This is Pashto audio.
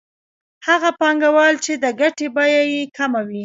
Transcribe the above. هغه پانګوال چې د ګټې بیه یې کمه وي